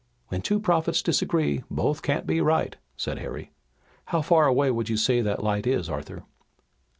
"When two prophets disagree both can't be right," said Harry. "How far away would you say that light is, Arthur?"